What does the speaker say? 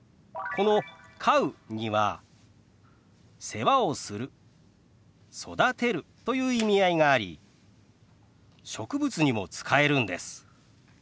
この「飼う」には「世話をする」「育てる」という意味合いがあり植物にも使えるんです。